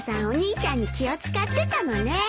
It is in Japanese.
お兄ちゃんに気を使ってたのね。